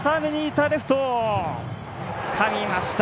つかみました。